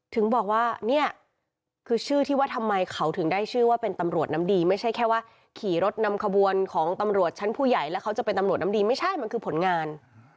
ถึงบอกว่าเนี่ยคือชื่อที่ว่าทำไมเขาถึงได้ชื่อว่าเป็นตำรวจน้ำดีไม่ใช่แค่ว่าขี่รถนำขบวนของตำรวจชั้นผู้ใหญ่แล้วเขาจะเป็นตำรวจน้ำดีไม่ใช่มันคือผลงาน